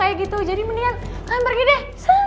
kayak gitu jadi mendingan kalian pergi deh